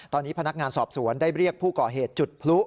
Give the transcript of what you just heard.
ตอนนี้พนักงานสอบสวนได้เรียกผู้ก่อเหตุจุดพลุ